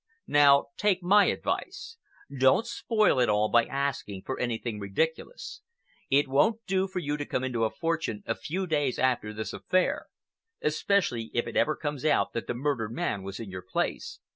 Now take my advice. Don't spoil it all by asking for anything ridiculous. It won't do for you to come into a fortune a few days after this affair, especially if it ever comes out that the murdered man was in your place.